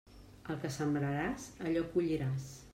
El que sembraràs, això colliràs.